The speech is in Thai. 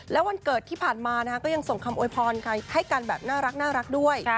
แล้ววันเกิดที่ผ่านมาก็ยังส่งคำโวยพรให้กันแบบน่ารักด้วย